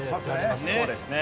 そうですね。